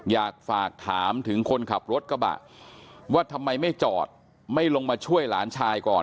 อยากฝากถามถึงคนขับรถกระบะว่าทำไมไม่จอดไม่ลงมาช่วยหลานชายก่อน